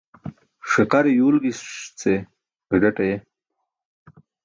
Ṣiqare yuwlgiṣ ce gazaṭ aye.